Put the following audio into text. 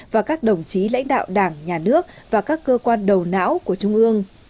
và các đồng chí lãnh đạo đảng nhà nước và các cơ quan đầu não của trung ương